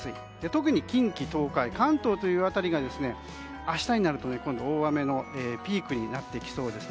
特に近畿・東海関東という辺りが明日になると大雨のピークになってきそうです。